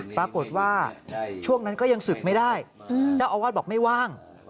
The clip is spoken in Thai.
ปรากฏว่าช่วงนั้นก็ยังศึกไม่ได้เจ้าอาวาสบอกไม่ว่าง